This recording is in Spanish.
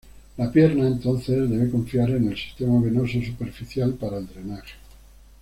La pierna, entonces, debe confiar en el sistema venoso superficial para el drenaje.